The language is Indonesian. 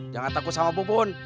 jangan takut sama bubun